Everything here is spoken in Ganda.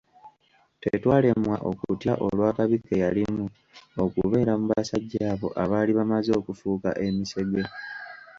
Tetwalema okutya olw'akabi ke yalimu okubeera mu basajja abo abaali bamaze okufuuka emisege.